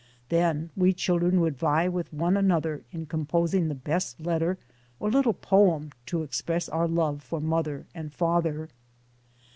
Then we children would vie with one another in com posing the best letter or little poem to express our love for mother and father.